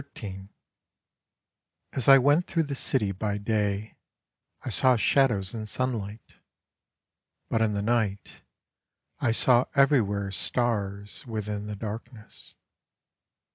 XIII As I went through the city by day I saw shadows in sunlight: But in the night I saw everywhere Stars within the darkness.